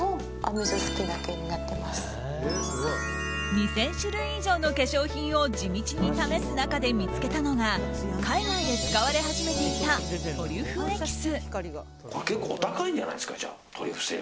２０００種類以上の化粧品を地道に試す中で見つけたのが海外で使われ始めていたトリュフエキス。